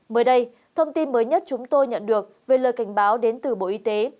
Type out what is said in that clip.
mới đây thông tin mới nhất chúng tôi nhận được về lời cảnh báo đến từ bộ y tế